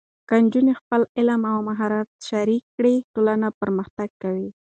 که نجونې خپل علم او مهارت شریک کړي، ټولنه پرمختګ کوي.